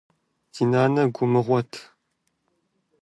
Ди нанэ гу мыгъуэт.